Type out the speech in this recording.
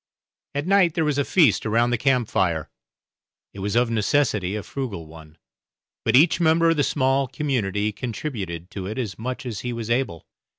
At night there was a feast around the camp fire; it was of necessity a frugal one, but each member of the small community contributed to it as much as he was able.